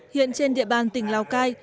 hiện trên địa bàn tỉnh lào cai